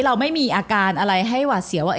เราไม่มีอาการอะไรให้หวัดเสียวว่า